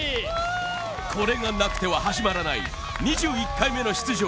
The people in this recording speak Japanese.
これがなくては始まらない２１回目の出場